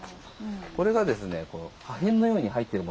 これがですね破片のように入っているものがありますね。